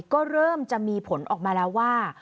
ก็เริ่มจะมีผลออกมาแล้วว่า